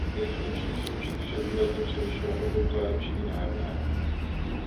Jejich roční součet však výrazně převyšoval obvyklé roční nájemné.